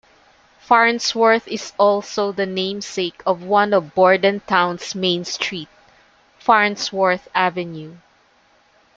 Farnsworth is also the namesake of one of Bordentown's main street, Farnsworth Avenue.